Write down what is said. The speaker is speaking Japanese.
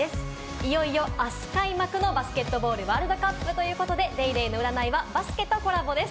いよいよあす開幕のバスケットボールワールドカップということで、『ＤａｙＤａｙ．』の占いはバスケとコラボです。